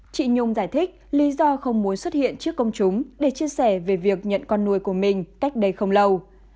chị nhung giải thích lý do không muốn xuất hiện trước công chúng để chia sẻ về việc nhận con nuôi của mình cách đây không lâu